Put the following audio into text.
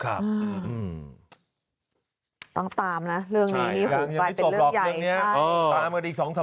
ต้องตามนะเรื่องนี้นี่โหกลายเป็นเรื่องใหญ่